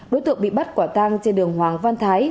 đối tượng bị bắt quả tang trên đường hoàng văn thái